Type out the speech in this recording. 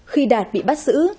khi đạt bị bắt giữ